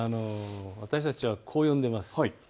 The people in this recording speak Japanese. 私たちはこう呼んでいます。